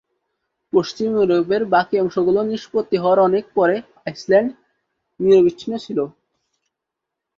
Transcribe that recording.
পশ্চিম ইউরোপের বাকী অংশ নিষ্পত্তি হওয়ার অনেক পরে আইসল্যান্ড নিরবচ্ছিন্ন ছিল।